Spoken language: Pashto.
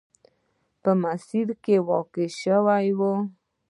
په مسیر کې واقع شوې وه.